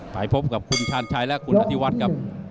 ไปพบกับคุณชาญชัยและคุณอธิวัฒน์ครับ